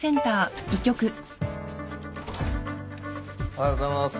おはようございます！